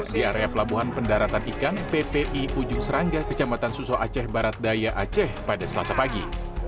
di area pelabuhan pendaratan ikan ppi ujung serangga kecamatan suso aceh barat daya aceh pada selasa pagi